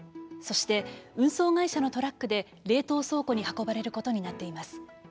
そして、運送会社のトラックで冷凍倉庫に運ばれることになっています。